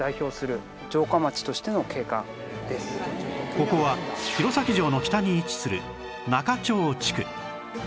ここは弘前城の北に位置する仲町地区